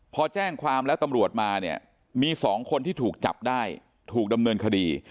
พอแจ้งความแล้วตำรวจมาเนี่ยมี๒คนที่ถูกจับได้ถูกดำเนินคดี